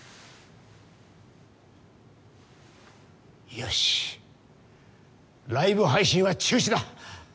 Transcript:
よしライブ配信は中止だ。